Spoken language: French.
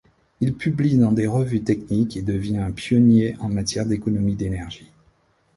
Il publie dans des revues techniques et devient un pionnier en matière d'économie d'énergie.